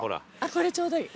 これちょうどいい。